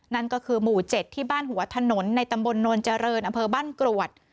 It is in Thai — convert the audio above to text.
นั่นก็คือหมู่๗ที่บ้านหัวถนนในตำบลโนนเจริญอำเภอบ้านกรวด